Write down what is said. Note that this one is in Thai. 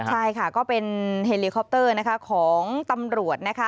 ใช่ค่ะก็เป็นเฮลีคอปเตอร์ของตำรวจ